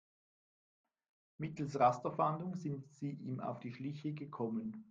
Mittels Rasterfahndung sind sie ihm auf die Schliche gekommen.